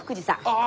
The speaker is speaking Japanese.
ああ！